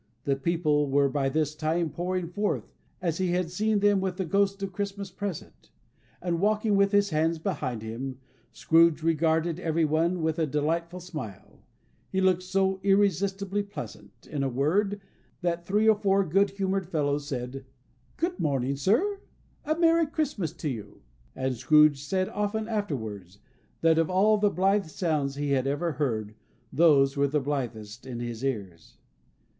The people were by this time pouring forth, as he had seen them with the Ghost of Christmas Present; and, walking with his hands behind him, Scrooge regarded everyone with a delighted smile. He looked so irresistibly pleasant, in a word, that three or four good humoured fellows said: "Good morning, sir! A Merry Christmas to you!" And Scrooge said often afterwards, that, of all the blithe sounds he had ever heard, those were the blithest in his ears....